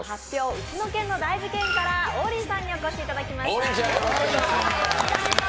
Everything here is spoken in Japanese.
ウチの県の大事ケン」から王林さんにお越しいただきました。